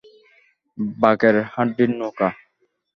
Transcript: বাকের হাড্ডির নৌকা।